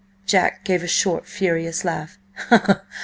Jack gave a short, furious laugh.